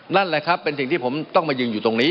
นั่นแหละครับเป็นสิ่งที่ผมต้องมายืนอยู่ตรงนี้